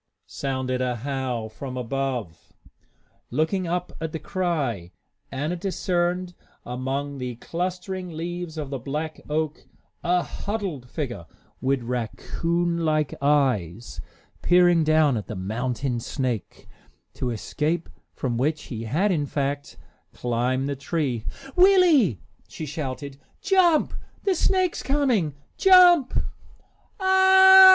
"Ow w w ch!" sounded a howl from above. Looking up at the cry, Anna discerned among the clustering leaves of the black oak a huddled figure, with raccoon like eyes, peering down at the mounting snake, to escape from which he had, in fact, climbed the tree. "Willie," she shouted, "jump! The snake's coming! Jump!"